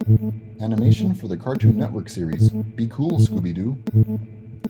Animation for the Cartoon Network series "Be Cool, Scooby-Doo!".